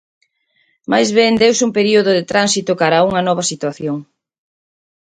Máis ben deuse un período de tránsito cara a unha nova situación.